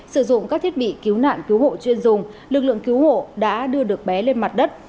sử dụng các thiết bị cứu nạn cứu hộ chuyên dùng lực lượng cứu hộ đã đưa được bé lên mặt đất